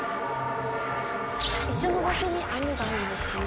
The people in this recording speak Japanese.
一緒の場所に網があるんですかね？